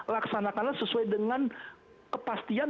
laksanakanlah sesuai dengan kepastian